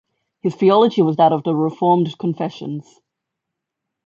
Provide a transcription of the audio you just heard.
His theology was that of the Reformed confessions.